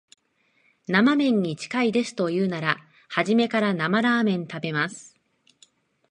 生めんに近いですと言うなら、初めから生ラーメン食べます